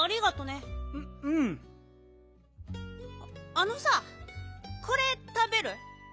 あのさこれたべる？